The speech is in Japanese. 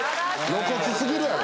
露骨すぎるやろ。